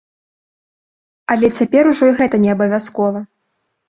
Але цяпер ужо і гэта не абавязкова.